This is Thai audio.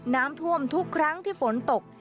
น้ำท่วมทุกครั้งที่ฝนตก